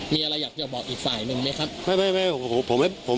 มีอะไรอยากจะบอกอีกฝ่ายหนึ่งไหมครับ